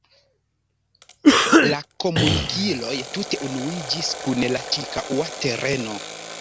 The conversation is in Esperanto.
La komunikiloj tute unuiĝis kun la ĉirkaŭa tereno.